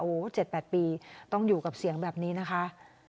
โอ้โห๗๘ปีต้องอยู่กับเสียงแบบนี้นะคะ